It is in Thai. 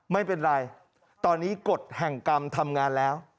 ไม่เป็นไรตอนนี้กฎแห่งกรรมทำงานแล้ว